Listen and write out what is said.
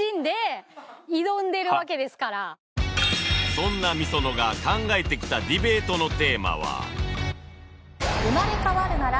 そんな ｍｉｓｏｎｏ が考えてきたディベートのテーマは